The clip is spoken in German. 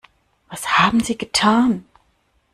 Was haben Sie getan?